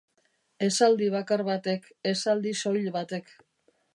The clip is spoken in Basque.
Esaldi bakar batek, esaldi soil batek.